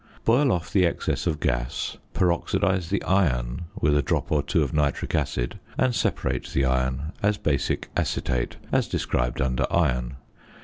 Boil off the excess of gas, peroxidise the iron with a drop or two of nitric acid, and separate the iron as basic acetate (as described under Iron).